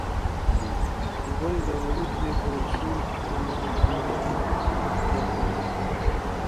ولې د یوه وړوکي فرکسیون قهرمان ته ملي بڼه ورکوې.